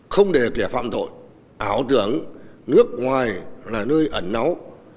không để kẻ phạm tội ảo tưởng nước ngoài là nơi ẩn náu